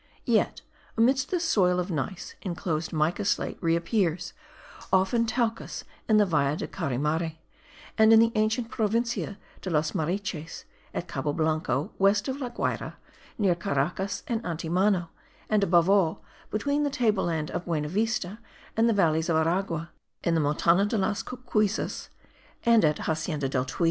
yet amidst this soil of gneiss, inclosed mica slate re appears, often talcous in the Valle de Caurimare, and in the ancient Provincia de Los Mariches; at Cabo Blanco, west of La Guayra; near Caracas and Antimano, and above all, between the tableland of Buenavista and the valleys of Aragua, in the Montana de las Cocuyzas, and at Hacienda del Tuy.